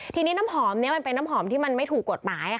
ทีนี้น้ำหอมนี้มันเป็นน้ำหอมที่มันไม่ถูกกฎหมาย